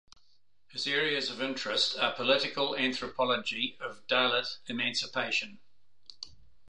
His areas of interest are political anthropology of Dalit emancipation.